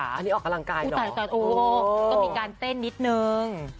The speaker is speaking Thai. อันนี้ออกกำลังกายสตูก็มีการเต้นนิดนึง